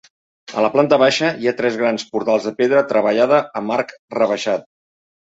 A la planta baixa hi ha tres grans portals de pedra treballada amb arc rebaixat.